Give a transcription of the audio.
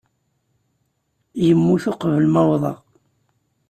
Yemmut uqbel ma uwḍeɣ.